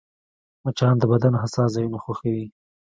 مچان د بدن حساس ځایونه خوښوي